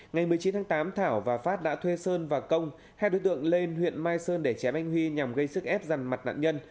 ngày một mươi chín tháng tám thảo và phát đã thuê sơn và công hai đối tượng lên huyện mai sơn để chém anh huy nhằm gây sức ép rằn mặt nạn nhân